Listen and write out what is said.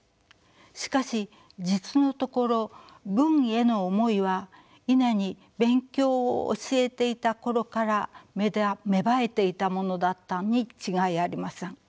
しかし実のところ「文」への思いはイネに勉強を教えていた頃から芽生えていたものだったに違いありません。